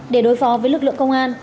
để đối phó với lực lượng công an